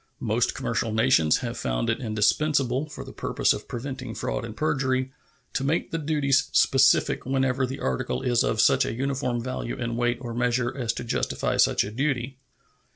Most commercial nations have found it indispensable, for the purpose of preventing fraud and perjury, to make the duties specific whenever the article is of such a uniform value in weight or measure as to justify such a duty.